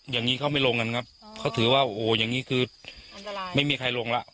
อย่างนี้เขาไม่ลงกันครับเขาถือว่าโอ้โหอย่างนี้คืออันตรายไม่มีใครลงแล้ว